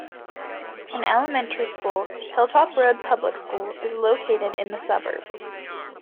An elementary school, Hilltop Road Public School, is located in the suburb.